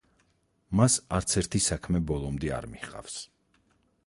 მას არც ერთი საქმე ბოლომდე არ მიჰყავს.